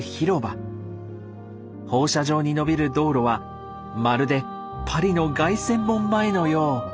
放射状にのびる道路はまるでパリの凱旋門前のよう。